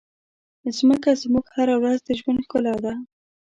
مځکه زموږ هره ورځ د ژوند ښکلا ده.